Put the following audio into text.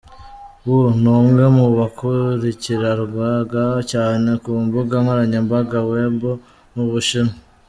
Wu, ni umwe mu bakurikirwaga cyane ku mbuga nkoranyambaga ‘weibo’ mu Bushinwa.